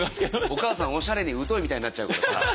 お母さんおしゃれに疎いみたいになっちゃうからさあ。